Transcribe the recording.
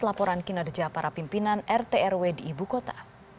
laporan kinerja para pimpinan rt rw di ibu kota